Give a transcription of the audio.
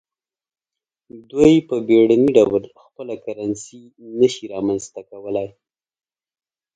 دوی په بیړني ډول خپله کرنسي نشي رامنځته کولای.